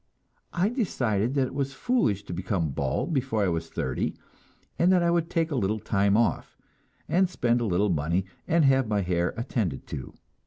I decided that it was foolish to become bald before I was thirty, and that I would take a little time off, and spend a little money and have my hair attended to.